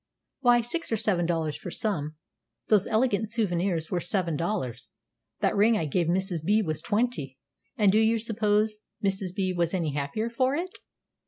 "Why, six or seven dollars for some; those elegant souvenirs were seven dollars; that ring I gave Mrs. B. was twenty." "And do you suppose Mrs. B. was any happier for it?"